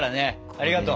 ありがとう！